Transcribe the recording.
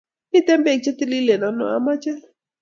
Miten peek che tililen ano amache